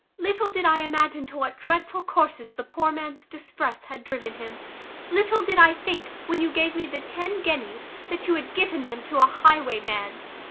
Little did I imagine to what dreadful courses the poor man's distress had driven him. Little did I think, when you gave me the ten guineas, that you had given them to a highwayman!